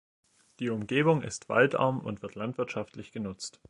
Die Umgebung ist waldarm und wird landwirtschaftlich genutzt.